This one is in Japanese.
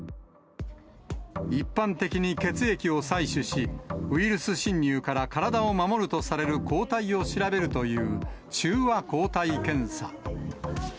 一般的に血液を採取し、ウイルス侵入から体を守るとされる抗体を調べるという、中和抗体検査。